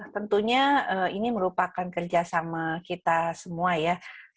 tentunya ini merupakan kerja sama kita semua ya